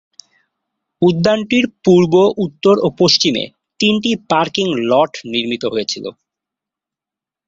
উদ্যানটির পূর্ব, উত্তর ও পশ্চিমে তিনটি পার্কিং লট নির্মিত হয়েছিল।